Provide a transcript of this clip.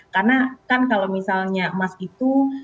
karena kan kalau misalnya emas itu